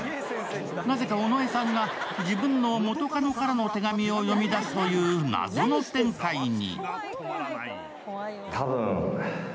なぜか尾上さんが、自分の元カノからの手紙を読み出すという謎の展開に。